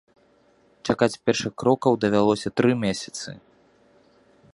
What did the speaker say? Чакаць першых крокаў давялося тры месяцы.